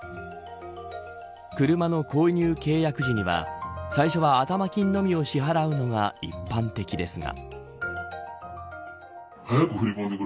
車の購入契約時には最初は頭金のみを支払うのが一般的ですが。